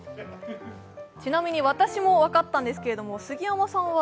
ちなみに私も分かったんですけど、杉山さんは？